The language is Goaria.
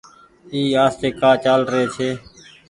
اي آستي ڪآ چآل ري ڇي۔